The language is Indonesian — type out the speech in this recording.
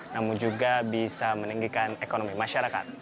namun juga bisa meninggikan ekonomi masyarakat